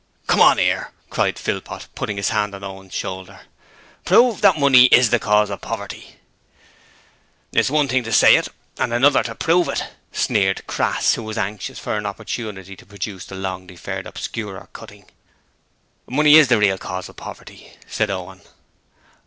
'Come on 'ere,' cried Philpot, putting his hand on Owen's shoulder. 'Prove that money is the cause of poverty.' 'It's one thing to say it and another to prove it,' sneered Crass, who was anxious for an opportunity to produce the long deferred Obscurer cutting. 'Money IS the real cause of poverty,' said Owen.